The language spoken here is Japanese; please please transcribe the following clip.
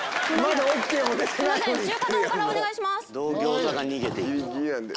・中華丼からお願いします。